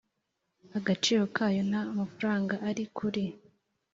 Agaciro kayo nta mafaranga ari kuri